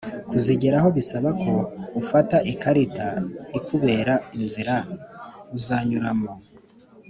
kuzigeraho bisaba ko ufata ikarita ikubera inzira uzanyuramo